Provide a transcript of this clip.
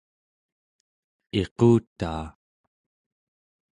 iqutaa